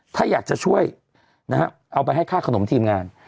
ถ้าอยากจะช่วยนะฮะเอาไปให้ค่าขนมทีมงาน